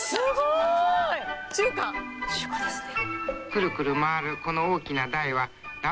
中華ですね。